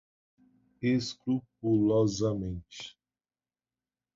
escrupulosamente